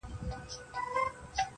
گراني اتيا زره صفاته دې په خال کي سته~